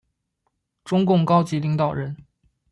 中共高级领导人。